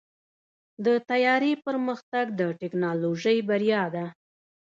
د طیارې پرمختګ د ټیکنالوژۍ بریا ده.